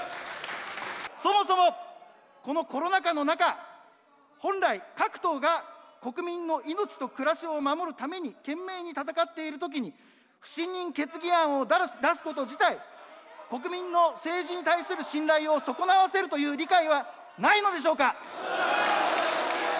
そもそも、このコロナ禍の中、本来、各党が国民の命と暮らしを守るために懸命に戦っているときに、不信任決議案を出すこと自体、国民の政治に対する信頼を損わせるという理解はないのでしょうか。